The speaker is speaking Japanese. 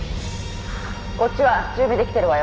こっちは準備できてるわよ